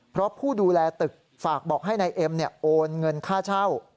เพราะผู้ดูแลตึกฝากบอกให้นายเอ็มโอนเงินค่าเช่า